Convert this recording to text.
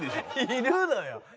いるのよ！